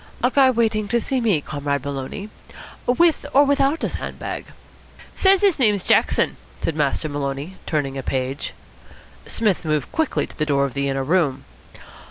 "A guy waiting to see me, Comrade Maloney? With or without a sand bag?" "Says his name's Jackson," said Master Maloney, turning a page. Psmith moved quickly to the door of the inner room.